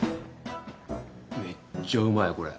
めっちゃうまいこれ。